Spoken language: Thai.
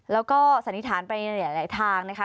แล้วก็สันนิษฐานไปหลายทางนะคะ